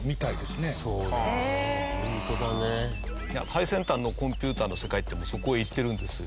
最先端のコンピューターの世界ってそこへ行ってるんですよ。